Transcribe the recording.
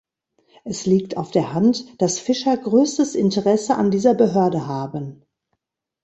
Es liegt auf der Hand, dass Fischer größtes Interesse an dieser Behörde haben.